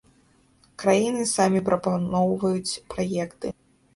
Краіны самі прапаноўваюць праекты.